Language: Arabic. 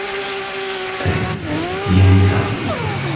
لِيَوْمٍ عَظِيمٍ